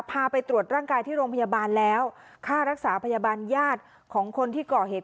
พาไปตรวจร่างกายที่โรงพยาบาลแล้วค่ารักษาพยาบาลญาติของคนที่ก่อเหตุ